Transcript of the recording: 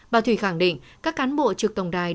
bà thủy khẳng định các cán bộ trực tổng đài